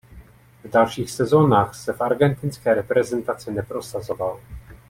V dalších sezonách se v argentinské reprezentaci neprosazoval.